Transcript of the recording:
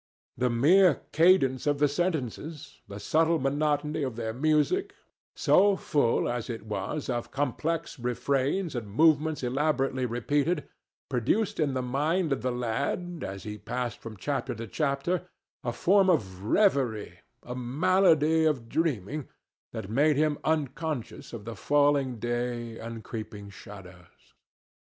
The mere cadence of the sentences, the subtle monotony of their music, so full as it was of complex refrains and movements elaborately repeated, produced in the mind of the lad, as he passed from chapter to chapter, a form of reverie, a malady of dreaming, that made him unconscious of the falling day and creeping shadows.